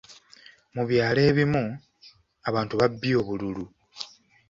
Mu byalo ebimu, abantu babbye obululu.